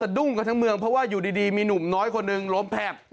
ดุ้งกันทั้งเมืองเพราะว่าอยู่ดีมีหนุ่มน้อยคนหนึ่งล้มแทบ